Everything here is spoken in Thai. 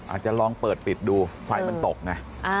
อาจจะลองเปิดปิดดูไฟมันตกไง